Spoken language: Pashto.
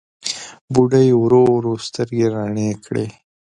بوډۍ ورو ورو سترګې رڼې کړې.